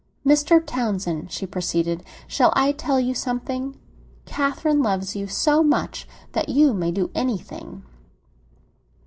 "Mr. Townsend," she proceeded, "shall I tell you something? Catherine loves you so much that you may do anything."